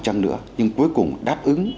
chẳng nữa nhưng cuối cùng đáp ứng